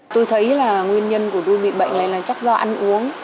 tôi thấy là nguyên nhân của ru bị bệnh này là chắc do ăn uống